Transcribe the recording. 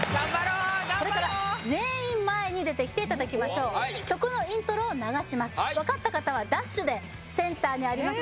これから全員前に出てきていただきましょう曲のイントロを流します分かった方はダッシュでセンターにあります